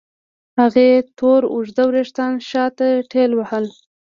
هغې تور اوږده وېښتان شاته ټېلوهل.